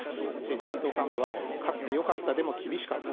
自民党幹部は勝って良かった、でも厳しかった。